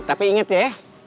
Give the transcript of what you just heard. tapi inget ya